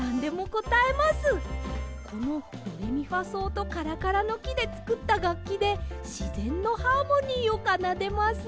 このドレミファそうとカラカラのきでつくったがっきでしぜんのハーモニーをかなでます。